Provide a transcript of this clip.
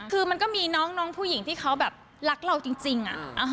คือมันก็มีน้องผู้หญิงที่เขาแบบรักเราจริงอะ